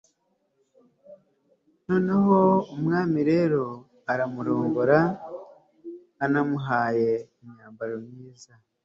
noneho umwami rero aramurongora, anamuhaye imyambaro myiza